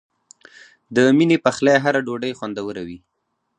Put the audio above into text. د مینې پخلی هره ډوډۍ خوندوره کوي.